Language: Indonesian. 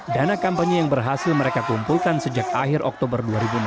dana kampanye yang berhasil mereka kumpulkan sejak akhir oktober dua ribu enam belas